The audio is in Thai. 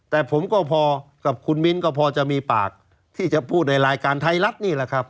แต่ผมก็พอกับคุณมิ้นก็พอจะมีปากที่จะพูดในรายการไทยรัฐนี่แหละครับ